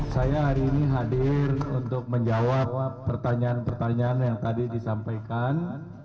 saya hari ini hadir untuk menjawab pertanyaan pertanyaan yang tadi disampaikan